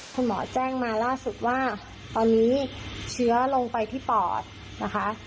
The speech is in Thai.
คุณหมอแจ้งมาล่าสุดว่าตอนนี้เชื้อลงไปที่ปอดนะคะ